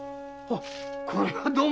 これはどうも。